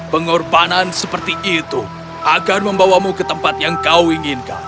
pengorbanan seperti itu akan membawamu ke tempat yang kau inginkan